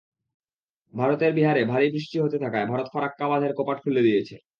ভারতের বিহারে ভারী বৃষ্টি হতে থাকায় ভারত ফারাক্কা বাঁধের কপাট খুলে দিয়েছে।